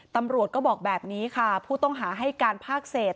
ตำรวจก็บอกแบบนี้ค่ะผู้ต้องหาให้การภาคเศษ